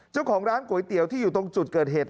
เจ้าของร้านก๋วยเตี๋ยวที่อยู่ตรงจุดเกิดเหตุ